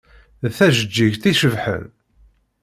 D tajeǧǧigt icebḥen.